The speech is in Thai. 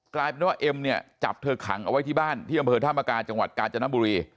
กลายเป็นว่าเอ็มเนี่ยจับเธอขังเอาไว้ที่บ้านที่อำเภอธามกาจังหวัดกาญจนบุรี